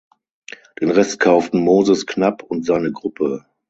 Den Rest kauften Moses Knapp und seine Gruppe.